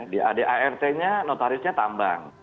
di adart nya notarisnya tambang